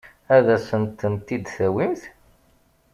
Ad asent-ten-id-tawimt?